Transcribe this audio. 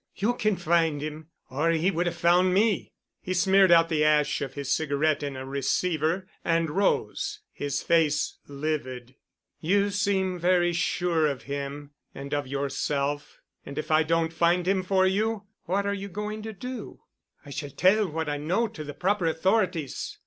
You can find him. Or he would have found me." He smeared out the ash of his cigarette in a receiver and rose, his face livid. "You seem very sure of him—and of yourself. And if I don't find him for you, what are you going to do?" "I shall tell what I know to the proper authorities."